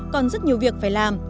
còn rất nhiều việc phải làm